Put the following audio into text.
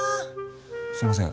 すいません